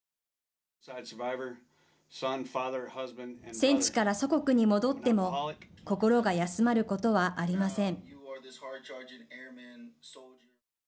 戦地から祖国に戻っても心が安まることはありません。